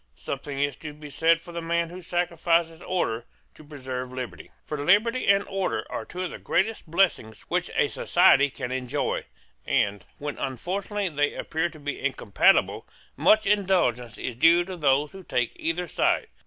Something is to be said for the man who sacrifices order to preserve liberty. For liberty and order are two of the greatest blessings which a society can enjoy: and, when unfortunately they appear to be incompatible, much indulgence is due to those who take either side.